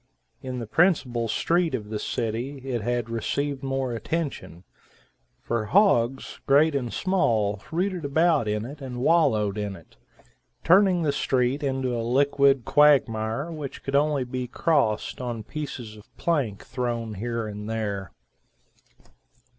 In the principal street of the city, it had received more attention; for hogs, great and small, rooted about in it and wallowed in it, turning the street into a liquid quagmire which could only be crossed on pieces of plank thrown here and there.